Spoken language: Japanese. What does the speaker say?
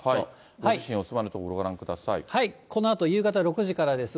ご自身お住まいの所、このあと夕方６時からです。